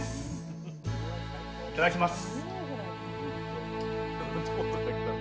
いただきます！